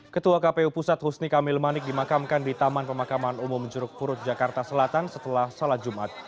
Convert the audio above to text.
ketua kpu pusat husni kamil manik dimakamkan di taman pemakaman umum juruk purut jakarta selatan setelah salat jumat